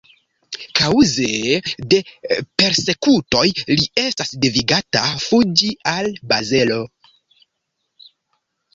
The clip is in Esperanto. Kaŭze de persekutoj li estas devigata fuĝi al Bazelo.